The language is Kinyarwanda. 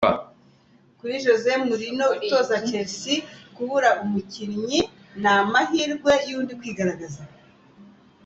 Kuri Jose Mourinho utoza Chelsea, kubura umukinnyi n’amahirwe y’undi kwigaragaraza.